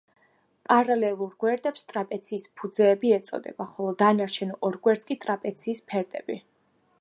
პარალელურ გვერდებს ტრაპეციის ფუძეები ეწოდება, ხოლო დანარჩენ ორ გვერდს კი ტრაპეციის ფერდები.